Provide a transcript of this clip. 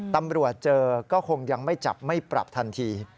ตำรวจเจอก็คงยังไม่จับไม่ปรับทันที